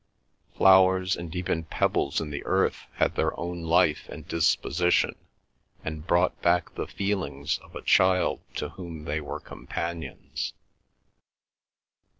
Flowers and even pebbles in the earth had their own life and disposition, and brought back the feelings of a child to whom they were companions.